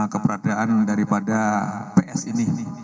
keberadaan daripada ps ini